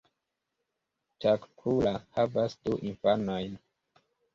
Takkula havas du infanojn.